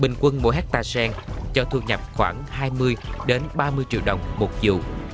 bình quân mỗi hectare sen cho thu nhập khoảng hai mươi ba mươi triệu đồng một vụ